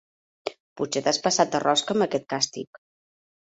Potser t'has passat de rosca amb aquest càstig.